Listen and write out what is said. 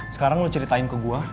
sekarang lo ceritain ke gue